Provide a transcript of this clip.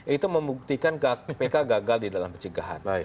itu membuktikan kpk gagal di dalam pencegahan